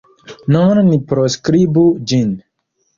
Nun ni proskribu ĝin.